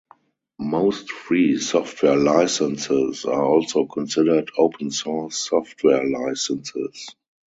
Most free software licenses are also considered open-source software licenses.